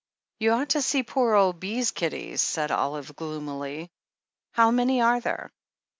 "You ought to see pore ole Bee's kiddies," said Olive gloomily. "How many are there